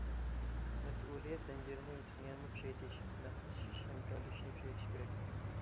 مەسئۇلىيەت زەنجىرىنى يەنىمۇ كۈچەيتىش، ماسلىشىش، ھەمكارلىشىشنى كۈچەيتىش كېرەك.